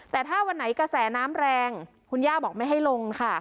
แต่ถ้าวันไหนกระแสน้ำแรงคุณย่าบอกไม่ให้ลงค่ะ